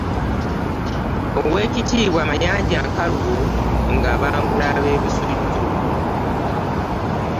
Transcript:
Oweekitiibwa Mayanja Nkalubo nga abangula ab'e Busujju